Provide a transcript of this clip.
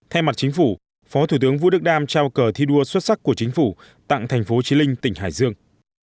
thay mặt chính phủ phó thủ tướng vũ đức đam trao cờ thi đua xuất sắc của chính phủ tặng thành phố trí linh tỉnh hải dương